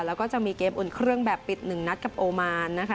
แล้วก็จะมีเกมอุ่นเครื่องแบบปิดหนึ่งนัดกับโอมานนะคะ